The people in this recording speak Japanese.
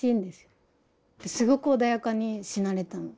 すごく穏やかに死なれたの。